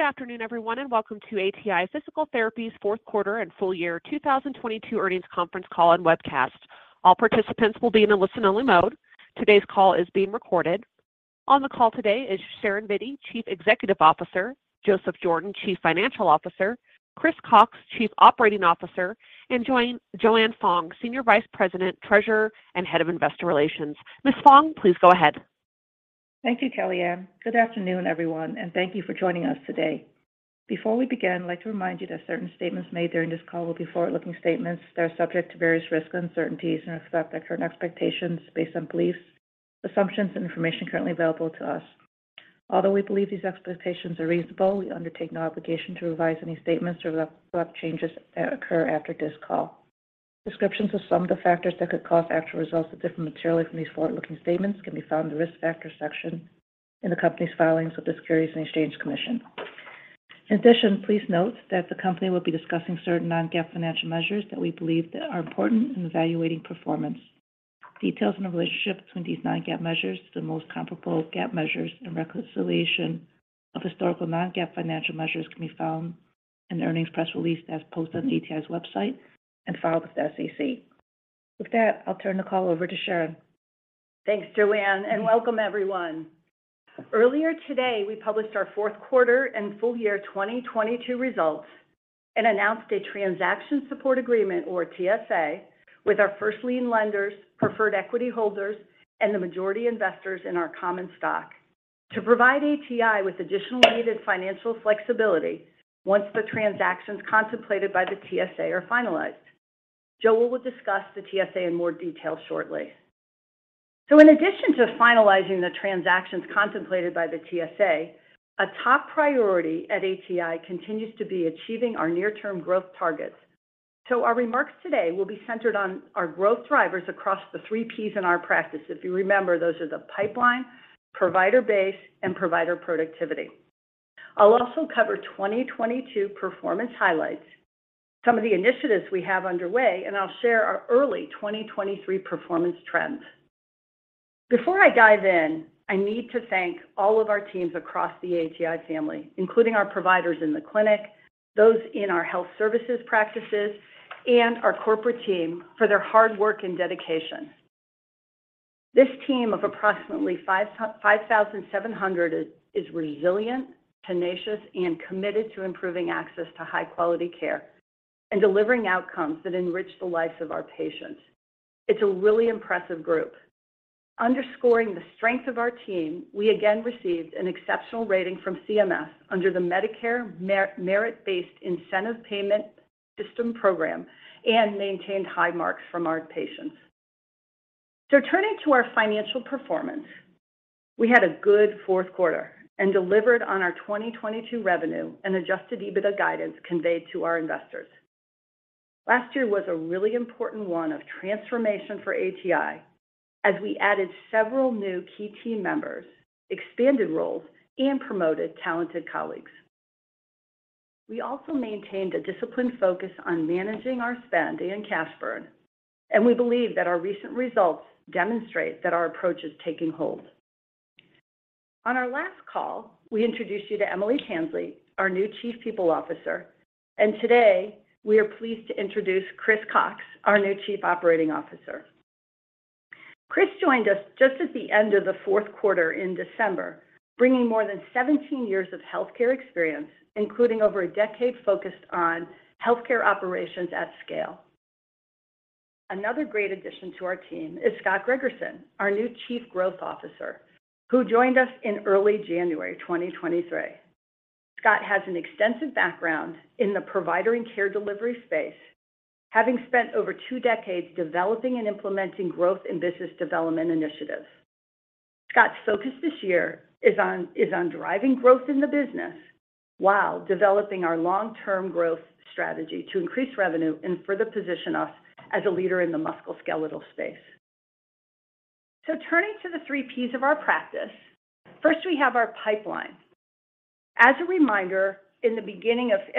Good afternoon, everyone, and welcome to ATI Physical Therapy's fourth quarter and full year 2022 earnings conference call and webcast. All participants will be in a listen only mode. Today's call is being recorded. On the call today is Sharon Vitti, Chief Executive Officer, Joseph Jordan, Chief Financial Officer, Chris Cox, Chief Operating Officer, and Joanne Fong, Senior Vice President, Treasurer, and Head of Investor Relations. Ms. Fong, please go ahead. Thank you, Kalia. Good afternoon, everyone, and thank you for joining us today. Before we begin, I'd like to remind you that certain statements made during this call will be forward-looking statements that are subject to various risks and uncertainties and reflect our current expectations based on beliefs, assumptions, and information currently available to us. Although we believe these expectations are reasonable, we undertake no obligation to revise any statements or reflect changes that occur after this call. Descriptions of some of the factors that could cause actual results to differ materially from these forward-looking statements can be found in the Risk Factors section in the company's filings with the Securities and Exchange Commission. In addition, please note that the company will be discussing certain non-GAAP financial measures that we believe that are important in evaluating performance. Details on the relationship between these non-GAAP measures to the most comparable GAAP measures and reconciliation of historical non-GAAP financial measures can be found in the earnings press release as posted on ATI's website and filed with the SEC. With that, I'll turn the call over to Sharon. Thanks, Joanne, and welcome everyone. Earlier today, we published our fourth quarter and full year 2022 results and announced a Transaction Support Agreement, or TSA, with our first lien lenders, preferred equity holders, and the majority investors in our common stock to provide ATI with additional needed financial flexibility once the transactions contemplated by the TSA are finalized. Joe will discuss the TSA in more detail shortly. In addition to finalizing the transactions contemplated by the TSA, a top priority at ATI continues to be achieving our near-term growth targets. Our remarks today will be centered on our growth drivers across the three Ps in our practice. If you remember, those are the pipeline, provider base, and provider productivity. I'll also cover 2022 performance highlights, some of the initiatives we have underway, and I'll share our early 2023 performance trends. Before I dive in, I need to thank all of our teams across the ATI, including our providers in the clinic, those in our health services practices, and our corporate team for their hard work and dedication. This team of approximately 5,700 is resilient, tenacious, and committed to improving access to high-quality care and delivering outcomes that enrich the lives of our patients. It's a really impressive group. Underscoring the strength of our team, we again received an exceptional rating from CMS under the Medicare Merit-based Incentive Payment System program and maintained high marks from our patients. Turning to our financial performance, we had a good fourth quarter and delivered on our 2022 revenue and adjusted EBITDA guidance conveyed to our investors. Last year was a really important one of transformation for ATI as we added several new key team members, expanded roles, and promoted talented colleagues. We also maintained a disciplined focus on managing our spending and cash burn, and we believe that our recent results demonstrate that our approach is taking hold. On our last call, we introduced you to Eimile Tansey, our new Chief People Officer, and today we are pleased to introduce Chris Cox, our new Chief Operating Officer. Chris joined us just at the end of the fourth quarter in December, bringing more than 17 years of healthcare experience, including over a decade focused on healthcare operations at scale. Another great addition to our team is Scott Gregerson, our new Chief Growth Officer, who joined us in early January 2023. Scott has an extensive background in the provider and care delivery space, having spent over two decades developing and implementing growth and business development initiatives. Scott's focus this year is on driving growth in the business while developing our long-term growth strategy to increase revenue and further position us as a leader in the musculoskeletal space. Turning to the three Ps of our practice, first, we have our pipeline. As a reminder, at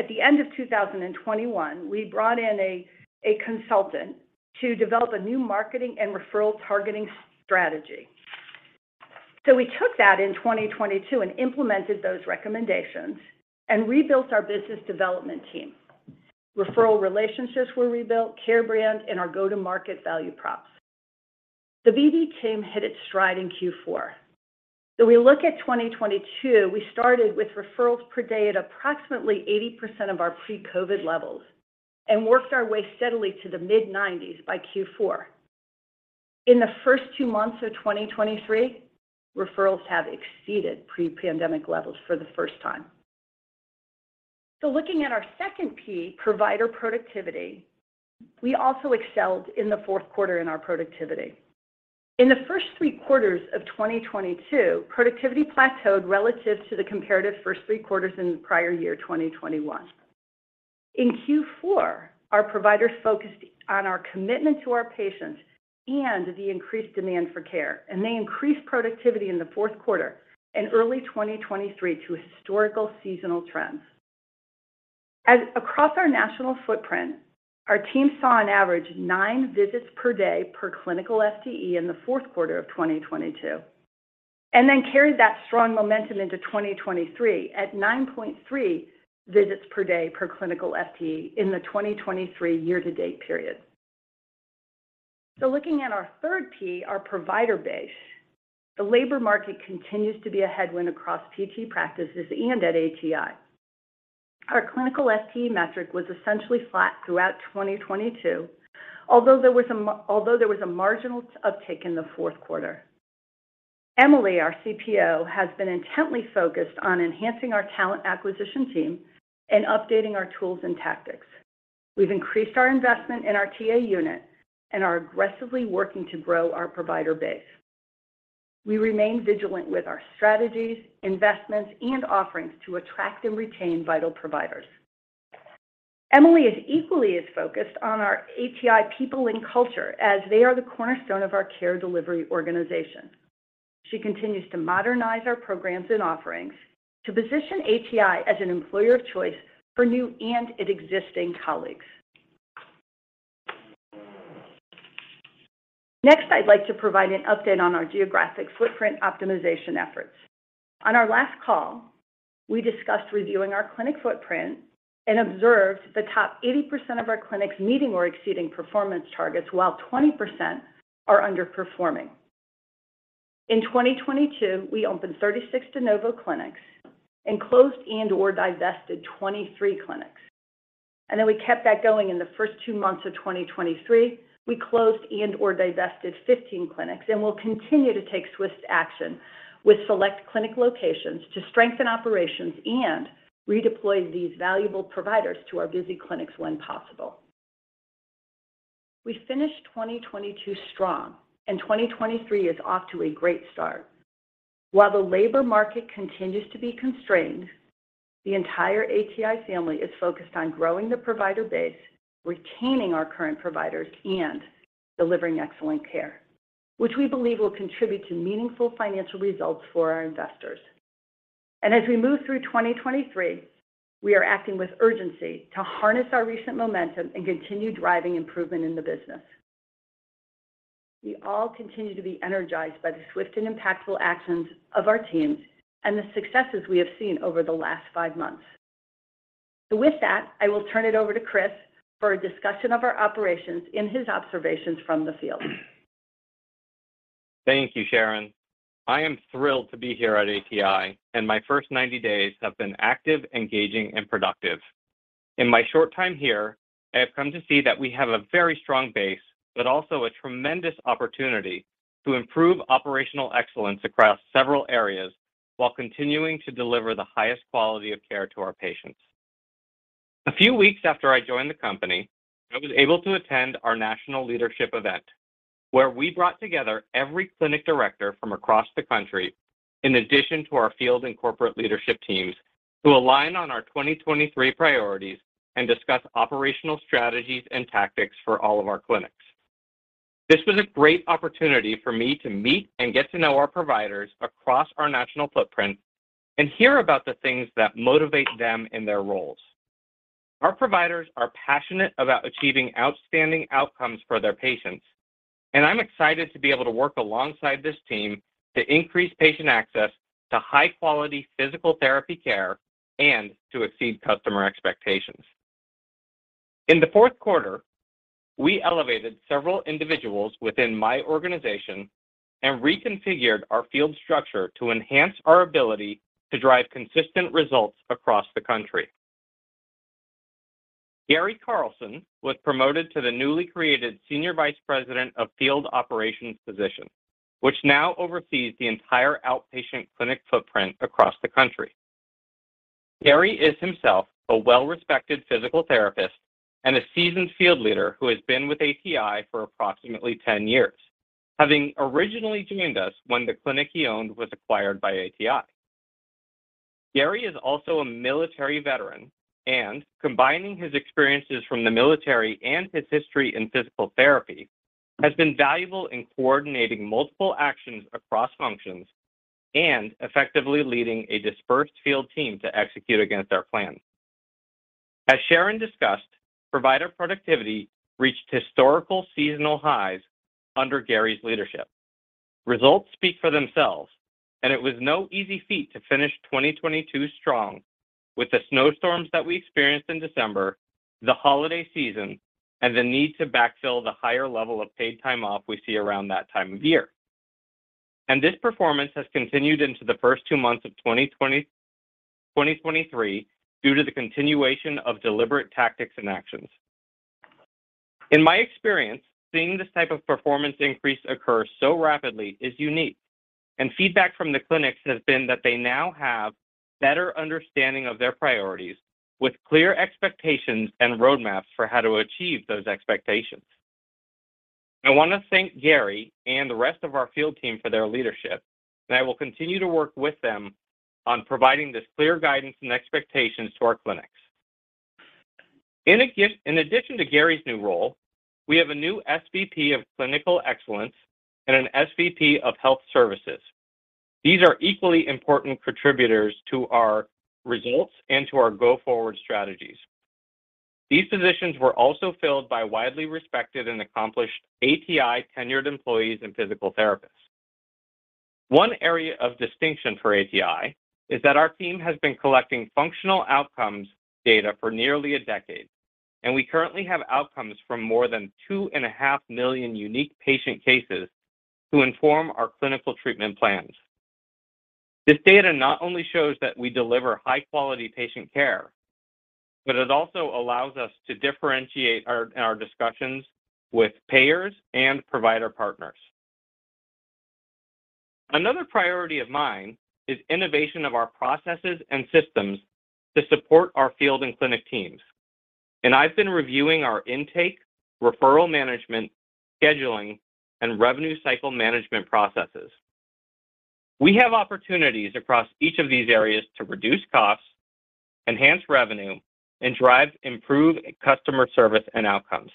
the end of 2021, we brought in a consultant to develop a new marketing and referral targeting strategy. We took that in 2022 and implemented those recommendations and rebuilt our business development team. Referral relationships were rebuilt, care brand, and our go-to-market value props. The BD team hit its stride in Q4. We look at 2022, we started with referrals per day at approximately 80% of our pre-COVID levels and worked our way steadily to the mid-90s by Q4. In the first two months of 2023, referrals have exceeded pre-pandemic levels for the first time. Looking at our second P, provider productivity, we also excelled in the fourth quarter in our productivity. In the first three quarters of 2022, productivity plateaued relative to the comparative first three quarters in the prior year, 2021. In Q4, our providers focused on our commitment to our patients and the increased demand for care. They increased productivity in the fourth quarter and early 2023 to historical seasonal trends. As across our national footprint, our team saw on average 9 visits per day per clinical FTE in the fourth quarter of 2022, then carried that strong momentum into 2023 at 9.3 visits per day per clinical FTE in the 2023 year-to-date period. Looking at our third P, our provider base, the labor market continues to be a headwind across PT practices and at ATI. Our clinical FTE metric was essentially flat throughout 2022, although there was a marginal uptick in the fourth quarter. Eimile, our CPO, has been intently focused on enhancing our talent acquisition team and updating our tools and tactics. We've increased our investment in our TA unit and are aggressively working to grow our provider base. We remain vigilant with our strategies, investments, and offerings to attract and retain vital providers. Eimile is equally as focused on our ATI people and culture as they are the cornerstone of our care delivery organization. She continues to modernize our programs and offerings to position ATI as an employer of choice for new and existing colleagues. I'd like to provide an update on our geographic footprint optimization efforts. On our last call, we discussed reviewing our clinic footprint and observed the top 80% of our clinics meeting or exceeding performance targets, while 20% are underperforming. In 2022, we opened 36 de novo clinics and closed and/or divested 23 clinics. We kept that going in the first two months of 2023. We closed and/or divested 15 clinics and will continue to take swift action with select clinic locations to strengthen operations and redeploy these valuable providers to our busy clinics when possible. We finished 2022 strong, and 2023 is off to a great start. While the labor market continues to be constrained, the entire ATI family is focused on growing the provider base, retaining our current providers, and delivering excellent care, which we believe will contribute to meaningful financial results for our investors. As we move through 2023, we are acting with urgency to harness our recent momentum and continue driving improvement in the business. We all continue to be energized by the swift and impactful actions of our teams and the successes we have seen over the last five months. With that, I will turn it over to Chris for a discussion of our operations and his observations from the field. Thank you, Sharon. I am thrilled to be here at ATI, and my first 90 days have been active, engaging, and productive. In my short time here, I have come to see that we have a very strong base, but also a tremendous opportunity to improve operational excellence across several areas while continuing to deliver the highest quality of care to our patients. A few weeks after I joined the company, I was able to attend our national leadership event, where we brought together every clinic director from across the country, in addition to our field and corporate leadership teams, to align on our 2023 priorities and discuss operational strategies and tactics for all of our clinics. This was a great opportunity for me to meet and get to know our providers across our national footprint and hear about the things that motivate them in their roles. Our providers are passionate about achieving outstanding outcomes for their patients, and I'm excited to be able to work alongside this team to increase patient access to high-quality physical therapy care and to exceed customer expectations. In the fourth quarter, we elevated several individuals within my organization and reconfigured our field structure to enhance our ability to drive consistent results across the country. Gary Carlson was promoted to the newly created Senior Vice President of Field Operations position, which now oversees the entire outpatient clinic footprint across the country. Gary is himself a well-respected physical therapist and a seasoned field leader who has been with ATI for approximately 10 years, having originally joined us when the clinic he owned was acquired by ATI. Gary is also a military veteran, combining his experiences from the military and his history in physical therapy has been valuable in coordinating multiple actions across functions and effectively leading a dispersed field team to execute against our plan. As Sharon discussed, provider productivity reached historical seasonal highs under Gary's leadership. Results speak for themselves. It was no easy feat to finish 2022 strong with the snowstorms that we experienced in December, the holiday season, and the need to backfill the higher level of paid time off we see around that time of year. This performance has continued into the first two months of 2023 due to the continuation of deliberate tactics and actions. In my experience, seeing this type of performance increase occur so rapidly is unique, and feedback from the clinics has been that they now have better understanding of their priorities with clear expectations and roadmaps for how to achieve those expectations. I want to thank Gary and the rest of our field team for their leadership, and I will continue to work with them on providing this clear guidance and expectations to our clinics. In addition to Gary's new role, we have a new SVP of Clinical Excellence and an SVP of Health Services. These are equally important contributors to our results and to our go-forward strategies. These positions were also filled by widely respected and accomplished ATI tenured employees and physical therapists. One area of distinction for ATI is that our team has been collecting functional outcomes data for nearly a decade. We currently have outcomes from more than 2.5 million unique patient cases to inform our clinical treatment plans. This data not only shows that we deliver high-quality patient care, it also allows us to differentiate our discussions with payers and provider partners. Another priority of mine is innovation of our processes and systems to support our field and clinic teams. I've been reviewing our intake, referral management, scheduling, and revenue cycle management processes. We have opportunities across each of these areas to reduce costs, enhance revenue, and drive improved customer service and outcomes.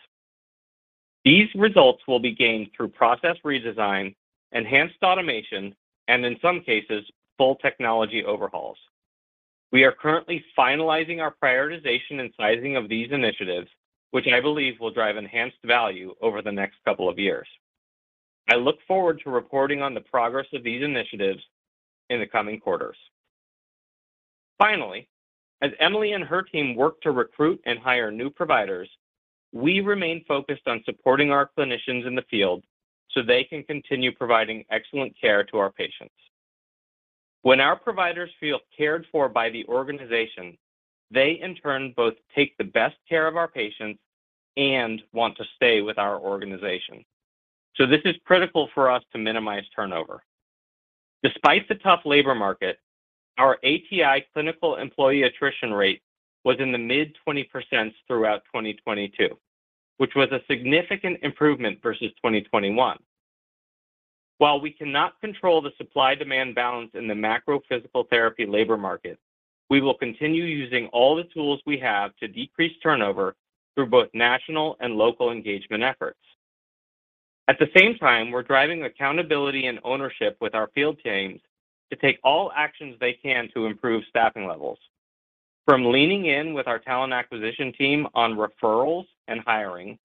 These results will be gained through process redesign, enhanced automation, and in some cases, full technology overhauls. We are currently finalizing our prioritization and sizing of these initiatives, which I believe will drive enhanced value over the next couple of years. I look forward to reporting on the progress of these initiatives in the coming quarters. Finally, as Eimile and her team work to recruit and hire new providers, we remain focused on supporting our clinicians in the field so they can continue providing excellent care to our patients. When our providers feel cared for by the organization, they in turn both take the best care of our patients and want to stay with our organization. This is critical for us to minimize turnover. Despite the tough labor market, our ATI clinical employee attrition rate was in the mid 20% throughout 2022, which was a significant improvement versus 2021. While we cannot control the supply-demand balance in the macro physical therapy labor market, we will continue using all the tools we have to decrease turnover through both national and local engagement efforts. At the same time, we're driving accountability and ownership with our field teams to take all actions they can to improve staffing levels. From leaning in with our talent acquisition team on referrals and hiring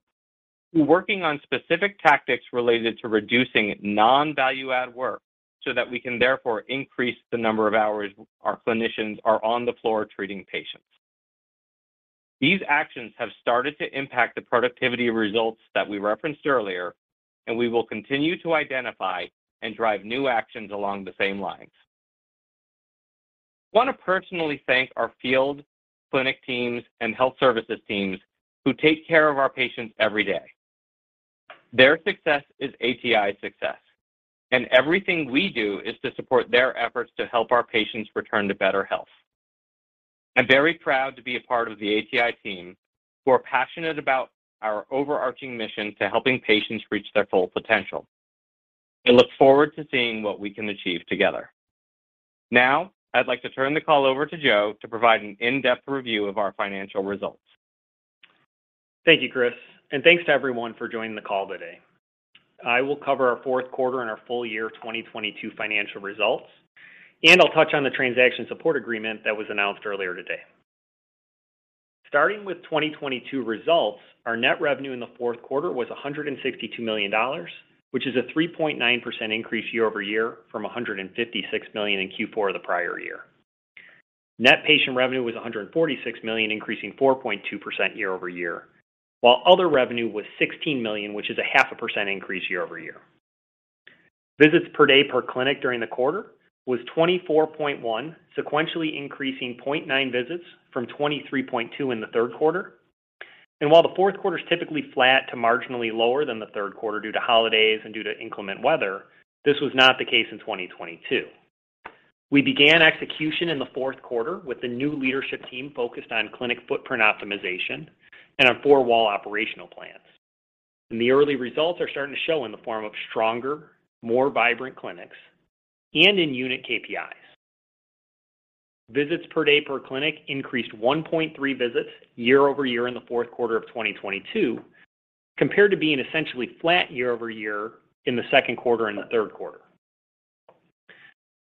to working on specific tactics related to reducing non-value-add work so that we can therefore increase the number of hours our clinicians are on the floor treating patients. These actions have started to impact the productivity results that we referenced earlier, and we will continue to identify and drive new actions along the same lines. I wanna personally thank our field, clinic teams, and health services teams who take care of our patients every day. Their success is ATI success, and everything we do is to support their efforts to help our patients return to better health. I'm very proud to be a part of the ATI team who are passionate about our overarching mission to helping patients reach their full potential and look forward to seeing what we can achieve together. Now, I'd like to turn the call over to Joe to provide an in-depth review of our financial results. Thank you, Chris, and thanks to everyone for joining the call today. I will cover our fourth quarter and our full year 2022 financial results, and I'll touch on the Transaction Support Agreement that was announced earlier today. Starting with 2022 results, our net revenue in the fourth quarter was $162 million, which is a 3.9% increase year-over-year from $156 million in Q4 of the prior year. Net patient revenue was $146 million, increasing 4.2% year-over-year, while other revenue was $16 million, which is a half a percent increase year-over-year. Visits per day per clinic during the quarter was 24.1, sequentially increasing 0.9 visits from 23.2 in the third quarter. While the fourth quarter is typically flat to marginally lower than the third quarter due to holidays and due to inclement weather, this was not the case in 2022. We began execution in the fourth quarter with the new leadership team focused on clinic footprint optimization and our four-wall operational plans. The early results are starting to show in the form of stronger, more vibrant clinics and in unit KPIs. Visits per day per clinic increased 1.3 visits year-over-year in the fourth quarter of 2022, compared to being essentially flat year-over-year in the second quarter and the third quarter.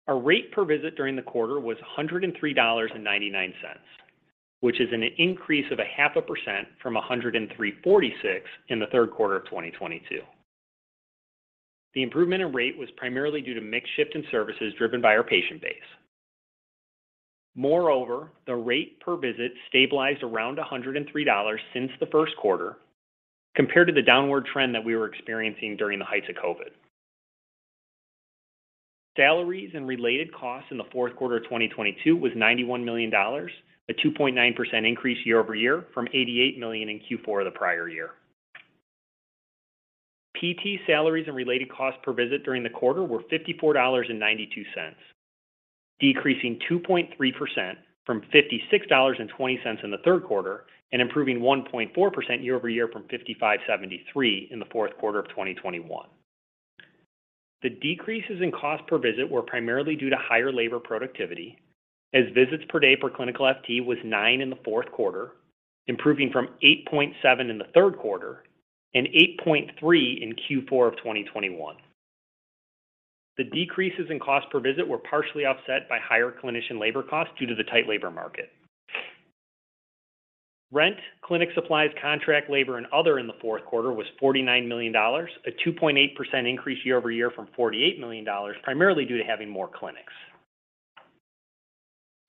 Our Rate per Visit during the quarter was $103.99, which is an increase of 0.5% from $103.46 in the third quarter of 2022. The improvement in rate was primarily due to mix shift in services driven by our patient base. Moreover, the Rate per Visit stabilized around $103 since the first quarter compared to the downward trend that we were experiencing during the heights of COVID. Salaries and related costs in the fourth quarter of 2022 was $91 million, a 2.9% increase year-over-year from $88 million in Q4 of the prior year. PT salaries and related costs per visit during the quarter were $54.92, decreasing 2.3% from $56.20 in the third quarter and improving 1.4% year-over-year from $55.73 in the fourth quarter of 2021. The decreases in cost per visit were primarily due to higher labor productivity as visits per day per clinical FT was 9 in the fourth quarter, improving from 8.7 in the third quarter and 8.3 in Q4 of 2021. The decreases in cost per visit were partially offset by higher clinician labor costs due to the tight labor market. Rent, clinic supplies, contract labor, and other in the fourth quarter was $49 million, a 2.8% increase year-over-year from $48 million, primarily due to having more clinics.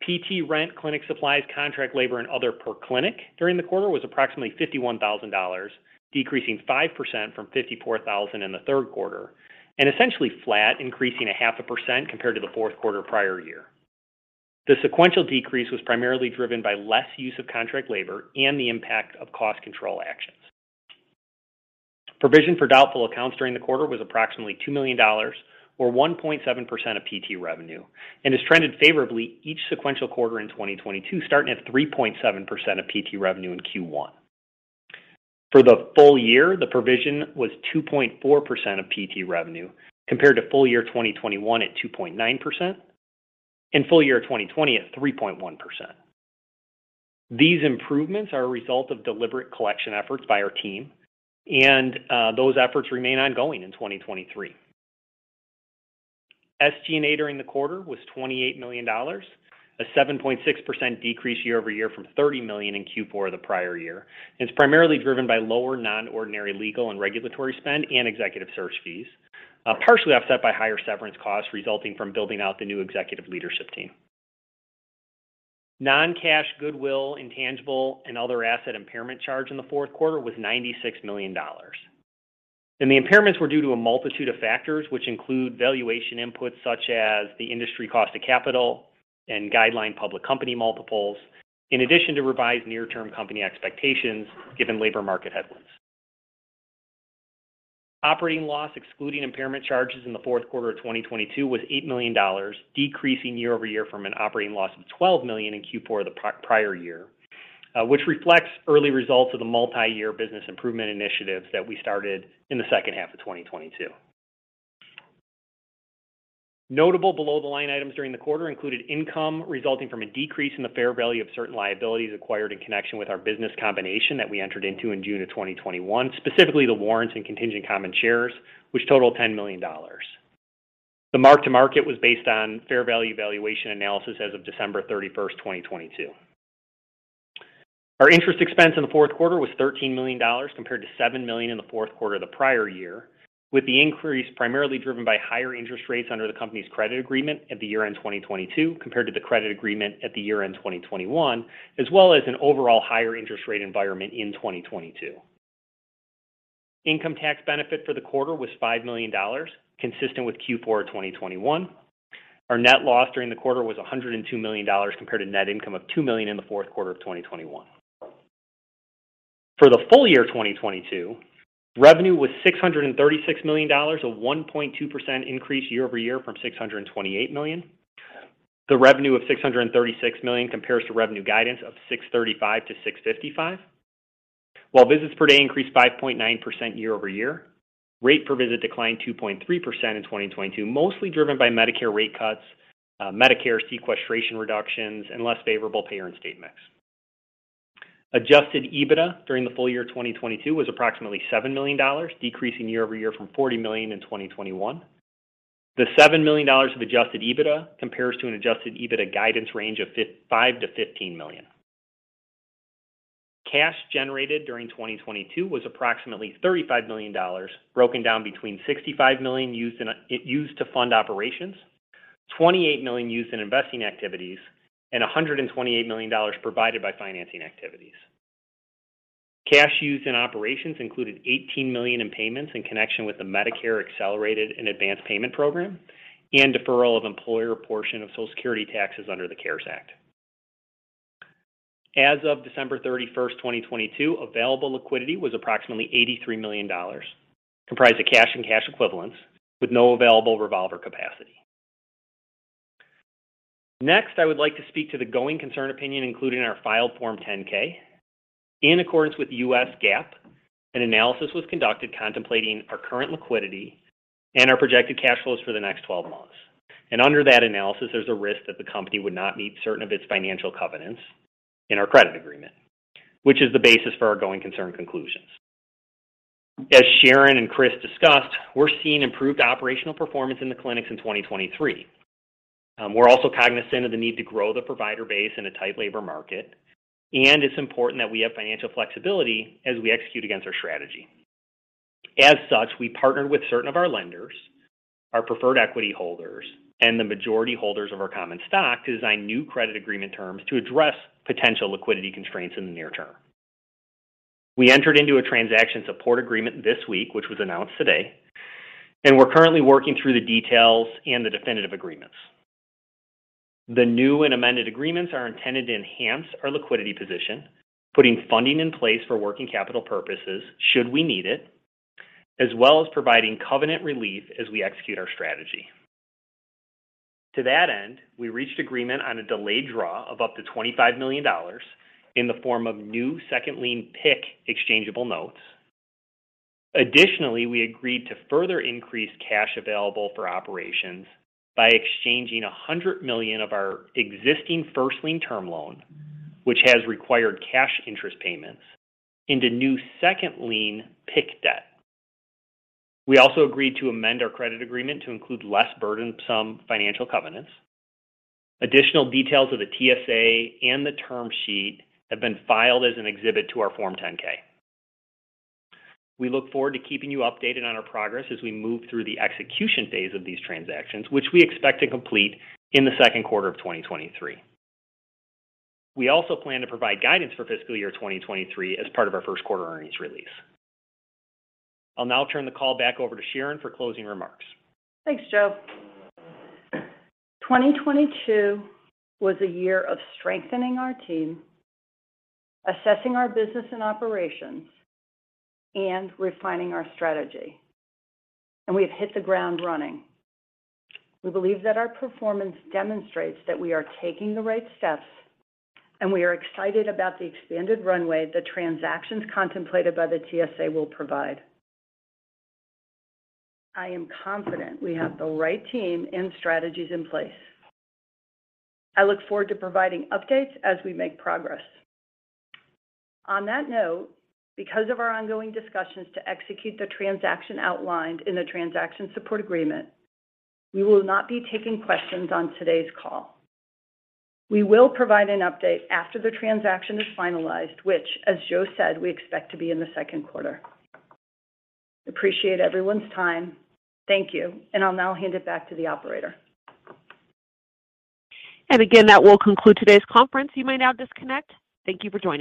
PT rent, clinic supplies, contract labor, and other per clinic during the quarter was approximately $51,000, decreasing 5% from $54,000 in the third quarter and essentially flat, increasing a 0.5% compared to the fourth quarter prior year. Provision for doubtful accounts during the quarter was approximately $2 million or 1.7% of PT revenue and has trended favorably each sequential quarter in 2022, starting at 3.7% of PT revenue in Q1. For the full year, the provision was 2.4% of PT revenue compared to full year 2021 at 2.9% and full year 2020 at 3.1%. These improvements are a result of deliberate collection efforts by our team and those efforts remain ongoing in 2023. SG&A during the quarter was $28 million, a 7.6% decrease year-over-year from $30 million in Q4 of the prior year, and it's primarily driven by lower non-ordinary legal and regulatory spend and executive search fees, partially offset by higher severance costs resulting from building out the new executive leadership team. Non-cash goodwill, intangible and other asset impairment charge in the fourth quarter was $96 million. The impairments were due to a multitude of factors which include valuation inputs such as the industry cost of capital and guideline public company multiples, in addition to revised near-term company expectations given labor market headwinds. Operating loss excluding impairment charges in the fourth quarter of 2022 was $8 million, decreasing year-over-year from an operating loss of $12 million in Q4 of the prior year, which reflects early results of the multiyear business improvement initiatives that we started in the second half of 2022. Notable below-the-line items during the quarter included income resulting from a decrease in the fair value of certain liabilities acquired in connection with our business combination that we entered into in June of 2021, specifically the warrants and contingent common shares which totaled $10 million. The mark to market was based on fair value valuation analysis as of December 31st, 2022. Our interest expense in the fourth quarter was $13 million compared to $7 million in the fourth quarter of the prior year, with the increase primarily driven by higher interest rates under the company's credit agreement at the year-end 2022 compared to the credit agreement at the year-end 2021, as well as an overall higher interest rate environment in 2022. Income tax benefit for the quarter was $5 million, consistent with Q4 of 2021. Our net loss during the quarter was $102 million compared to net income of $2 million in the fourth quarter of 2021. For the full year 2022, revenue was $636 million, a 1.2% increase year-over-year from $628 million. The revenue of $636 million compares to revenue guidance of $635 million-$655 million. While visits per day increased 5.9% year-over-year, Rate per Visit declined 2.3% in 2022, mostly driven by Medicare rate cuts, Medicare sequestration reductions, and less favorable payer and state mix. Adjusted EBITDA during the full year 2022 was approximately $7 million, decreasing year-over-year from $40 million in 2021. The $7 million of adjusted EBITDA compares to an adjusted EBITDA guidance range of $5 million-$15 million. Cash generated during 2022 was approximately $35 million, broken down between $65 million used to fund operations, $28 million used in investing activities, and $128 million provided by financing activities. Cash used in operations included $18 million in payments in connection with the Medicare Accelerated and Advance Payment program and deferral of employer portion of Social Security taxes under the CARES Act. As of December 31st, 2022, available liquidity was approximately $83 million, comprised of cash and cash equivalents with no available revolver capacity. Next, I would like to speak to the going concern opinion included in our filed Form 10-K. In accordance with the US GAAP, an analysis was conducted contemplating our current liquidity and our projected cash flows for the next 12 months. Under that analysis, there's a risk that the company would not meet certain of its financial covenants in our credit agreement, which is the basis for our going concern conclusions. As Sharon and Chris discussed, we're seeing improved operational performance in the clinics in 2023. We're also cognizant of the need to grow the provider base in a tight labor market. It's important that we have financial flexibility as we execute against our strategy. As such, we partnered with certain of our lenders, our preferred equity holders, and the majority holders of our common stock to design new credit agreement terms to address potential liquidity constraints in the near term. We entered into a Transaction Support Agreement this week, which was announced today. We're currently working through the details and the definitive agreements. The new and amended agreements are intended to enhance our liquidity position, putting funding in place for working capital purposes should we need it, as well as providing covenant relief as we execute our strategy. To that end, we reached agreement on a delayed draw of up to $25 million in the form of new second lien PIK exchangeable notes. Additionally, we agreed to further increase cash available for operations by exchanging $100 million of our existing first lien term loan, which has required cash interest payments into new second lien PIK debt. We also agreed to amend our credit agreement to include less burdensome financial covenants. Additional details of the TSA and the term sheet have been filed as an exhibit to our Form 10-K. We look forward to keeping you updated on our progress as we move through the execution phase of these transactions, which we expect to complete in the second quarter of 2023. We also plan to provide guidance for fiscal year 2023 as part of our first quarter earnings release. I'll now turn the call back over to Sharon for closing remarks. Thanks, Joe. 2022 was a year of strengthening our team, assessing our business and operations, and refining our strategy. We've hit the ground running. We believe that our performance demonstrates that we are taking the right steps, and we are excited about the expanded runway the transactions contemplated by the TSA will provide. I am confident we have the right team and strategies in place. I look forward to providing updates as we make progress. On that note, because of our ongoing discussions to execute the transaction outlined in the Transaction Support Agreement, we will not be taking questions on today's call. We will provide an update after the transaction is finalized, which, as Joe said, we expect to be in the second quarter. Appreciate everyone's time. Thank you. I'll now hand it back to the operator. Again, that will conclude today's conference. You may now disconnect. Thank you for joining us.